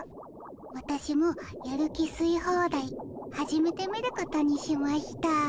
わたしもやる気すいホーダイ始めてみることにしました。